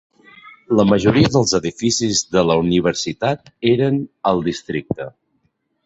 La majoria dels edificis de la universitat eren al districte.